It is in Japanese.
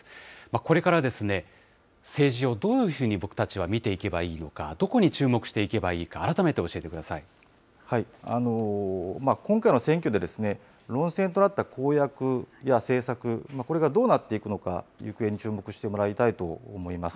これから政治をどういうふうに僕たちは見ていけばいいのか、どこに注目していけばいいか、改めて今回の選挙で、論戦となった公約や政策、これがどうなっていくのか、行方に注目してもらいたいと思います。